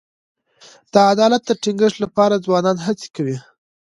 د عدالت د ټینګښت لپاره ځوانان هڅې کوي.